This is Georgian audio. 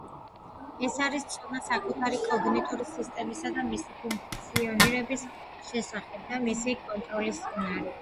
ეს არის ცოდნა საკუთარი კოგნიტური სისტემისა და მისი ფუნქციონირების შესახებ და მისი კონტროლის უნარი.